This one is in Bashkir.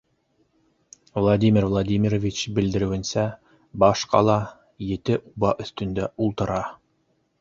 Владимир Владимирович белдереүенсә, баш ҡала ете уба өҫтөндә ултыра.